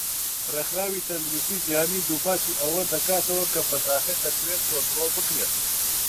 ڕێکخراوی تەندروستی جیهانی دووپاتی ئەوە دەکاتەوە کە پەتاکە دەکرێت کۆنترۆڵ بکرێت.